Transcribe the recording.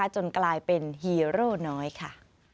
จนกลายเป็นฮีโร่น้อยค่ะ